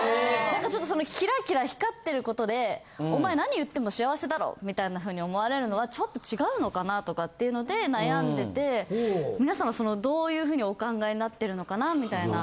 なんかちょっとそのキラキラ光ってることで「お前何言っても幸せだろ」みたいなふうに思われるのはちょっと違うのかなとかっていうので悩んでてみなさんはそのどういうふうにお考えになってるのかなみたいな。